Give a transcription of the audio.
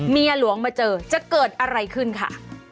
เมียหลวงมาเจอจะเกิดอะไรขึ้นค่ะ